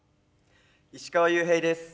石川裕平です。